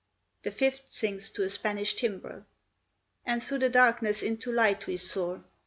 [The fifth sings to a Spanish timbrel.] And through the darkness into light we soar!